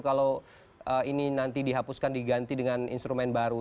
kalau ini nanti dihapuskan diganti dengan instrumen baru